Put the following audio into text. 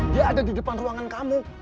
dia ada di depan ruangan kamu